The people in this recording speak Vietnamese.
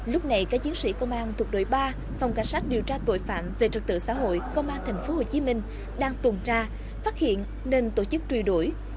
lúc này các chiến sĩ công an thuộc đội ba phòng cảnh sát điều tra tội phạm về trật tự xã hội công an tp hcm đang tuần tra phát hiện nên tổ chức truy đuổi